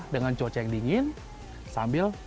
dengan cuaca yang dingin sambil